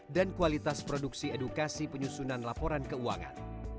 dan kualitas produksi edukasi penyusunan laporan keuangan